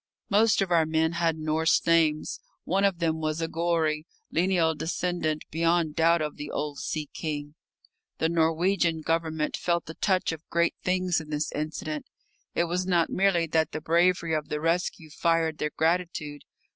Most of our men had Norse names. One of them was a Gorry, lineal descendant beyond doubt of the old sea king. The Norwegian Government felt the touch of great things in this incident. It was not merely that the bravery of the rescue fired their gratitude.